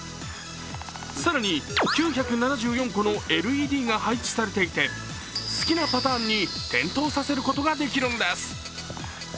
更に９７４個のＬＥＤが配置されていて好きなパターンに点灯させることができるんです。